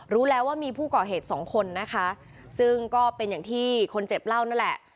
รู้แล้วว่ามีผู้ก่อเหตุสองคนนะคะซึ่งก็เป็นอย่างที่คนเจ็บเล่านั่นแหละ